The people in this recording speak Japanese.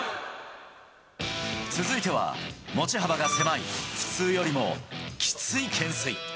続いては、持ち幅が狭い普通よりもきつい懸垂。